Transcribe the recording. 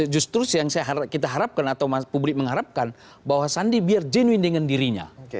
justru yang kita harapkan atau publik mengharapkan bahwa sandi biar genuin dengan dirinya